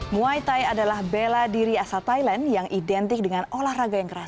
muay thai adalah bela diri asal thailand yang identik dengan olahraga yang keras